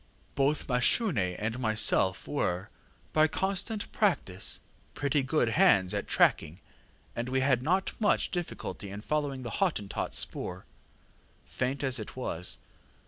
Both Mashune and myself were, by constant practice, pretty good hands at tracking, and we had not much difficulty in following the HottentotŌĆÖs spoor, faint as it was.